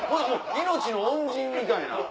命の恩人みたいな。